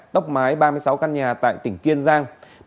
tốc mái ba mươi sáu căn nhà tại tỉnh kiên giang